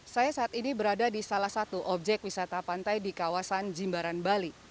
saya saat ini berada di salah satu objek wisata pantai di kawasan jimbaran bali